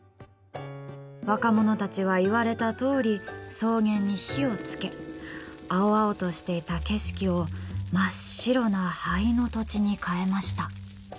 若者たちは言われたとおり草原に火をつけ青々としていた景色を真っ白な灰の土地に変えました。